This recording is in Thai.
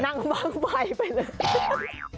นั่งบ้างไฟไปเลย